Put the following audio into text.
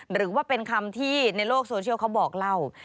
หรือว่าเป็นคำที่ในโลกโซเชียลเขาบอกเล่า